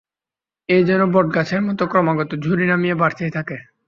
এ যেন বটগাছের মত ক্রমাগত ঝুরি নামিয়ে বাড়তেই থাকে।